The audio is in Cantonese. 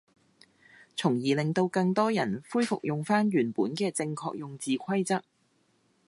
從而令到更多人恢復用返原本嘅正確用字規則